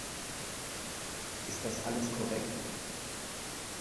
Ist das alles korrekt?